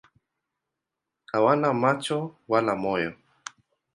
Hawana macho wala moyo.